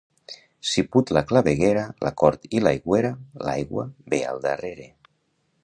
Si put la claveguera, la cort i l'aigüera, l'aigua ve al darrere.